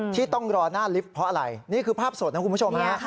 ที่ต้องรอหน้าลิฟต์เพราะอะไรนี่คือภาพสดนะคุณผู้ชมฮะ